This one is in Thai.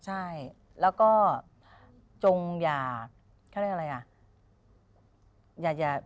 ใช่แล้วก็จงอยากเขาเรียกอะไรอ่ะ